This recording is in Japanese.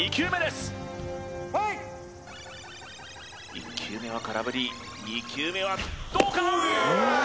１球目は空振り２球目はどうかー！